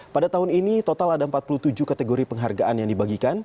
pada tahun ini total ada empat puluh tujuh kategori penghargaan yang dibagikan